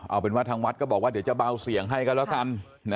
เอาเป็นว่าทางวัดก็บอกว่าเดี๋ยวจะเบาเสียงให้ก็แล้วกัน